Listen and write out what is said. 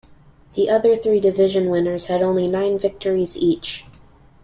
The other three division winners had only nine victories each.